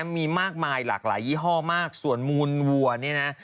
มีมากมายหลากหลายยี่ห้อมากส่วนมูลวัวเนี่ยนะ